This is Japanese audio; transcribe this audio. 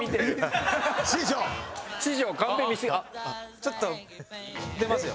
ちょっと出ますよ。